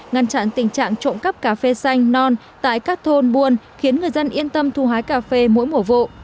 ngăn chặn tình trạng trộm cắp cà phê xanh non tại các thôn buôn khiến người dân yên tâm thu hái cà phê mỗi mùa vụ